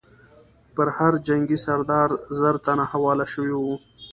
پر هر جنګي سردار زر تنه حواله شوي وو.